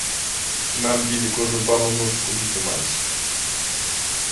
Tamén pide que os autónomos coticen máis.